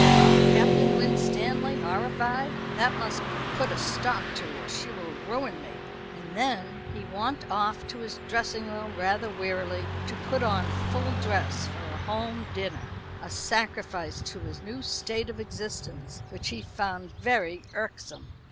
thought Captain Winstanley, horrified. "That must be put a stop to, or she will ruin me." And then he wont off to his dressing room rather wearily, to put on full dress for a home dinner, a sacrifice to his new state of existence which he found very irksome.